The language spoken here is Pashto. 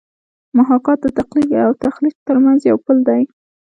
محاکات د تقلید او تخلیق ترمنځ یو پل دی